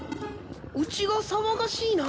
うちが騒がしいな。